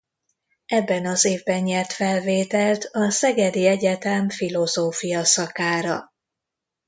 Ebben az évben nyert felvételt a Szegedi Egyetem filozófia szakára.